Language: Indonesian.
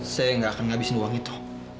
saya tidak akan menghabiskan uang itu